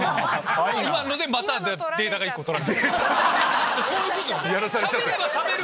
今のでまたデータが１個取られてる。